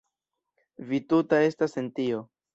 Vi tuta estas en tio!